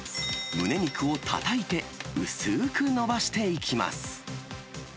むね肉をたたいて薄く伸ばしていきます。